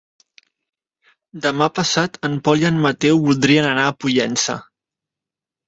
Demà passat en Pol i en Mateu voldrien anar a Pollença.